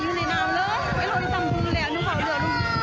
ไปโดยตามดูแลน้ำขาวเหลือ